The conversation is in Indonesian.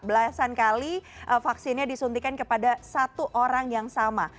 belasan kali vaksinnya disuntikan kepada satu orang yang sama